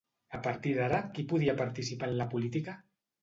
A partir d'ara qui podia participar en la política?